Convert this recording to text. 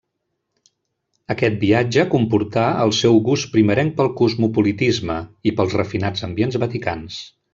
Aquest viatge comportà el seu gust primerenc pel cosmopolitisme i pels refinats ambients vaticans.